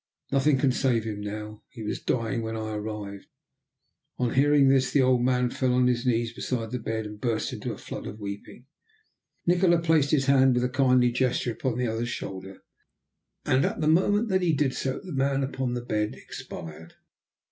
"Nothing can save him now. He was dying when I arrived." On hearing this the old man fell on his knees beside the bed and burst into a flood of weeping. Nikola placed his hand with a kindly gesture upon the other's shoulder, and at the moment that he did so the man upon the bed expired.